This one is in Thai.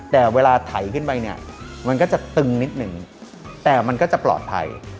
แต่เวลาไถขึ้นไปเนี่ยมันก็จะตึงนิดหนึ่งแต่มันก็จะปลอดภัย